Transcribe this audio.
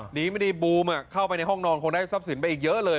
ไม่ได้บูมเข้าไปในห้องนอนคงได้ทรัพย์สินไปอีกเยอะเลย